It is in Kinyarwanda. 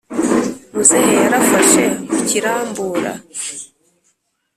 muzehe yarafashe mu kukirambura